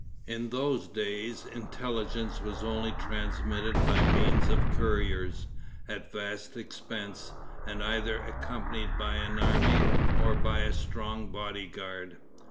In those days intelligence was only transmitted by means of couriers, at vast expense, and either accompanied by an army or by a strong body guard.